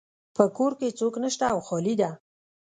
په کور کې څوک نشته او خالی ده